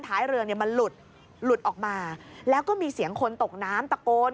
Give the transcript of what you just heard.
ท้ายเรือเนี่ยมันหลุดหลุดออกมาแล้วก็มีเสียงคนตกน้ำตะโกน